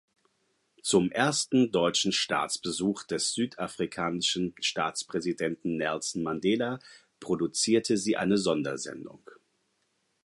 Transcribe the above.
Zum ersten deutschen Staatsbesuch des südafrikanischen Staatspräsidenten Nelson Mandela produzierte sie eine Sondersendung.